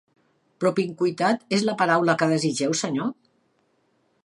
"Propinqüitat" és la paraula que desitgeu, senyor?